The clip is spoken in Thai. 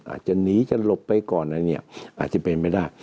อาจจะหนีจะหลบไปก่อนนั้นอาจจะเป็นไม่ได้